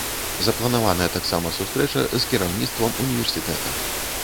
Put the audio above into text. Запланаваная таксама сустрэча з кіраўніцтвам універсітэта.